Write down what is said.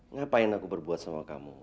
ngapain aku berbuat sama kamu